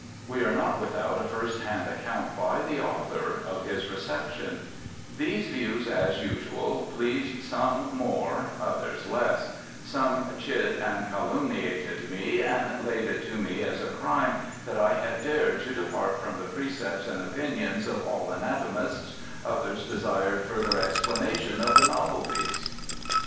We are not with out a first hand account by the author of his reception :• These views as usual pleased some more, others less ; some chid and calumniated me, and laid it to me as a crime that I had dared to depart from the precepts and opinions of all anatomists ; others desired further explanation of the novelties.'